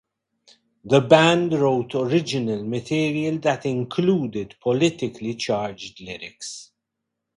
The band wrote original material that included politically charged lyrics.